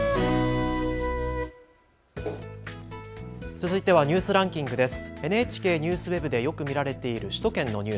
続いてはニュースランキングです。